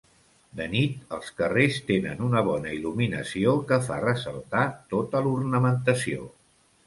De nit, els carrers tenen una bona il·luminació que fa ressaltar tota l'ornamentació.